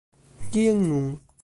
Kien nun.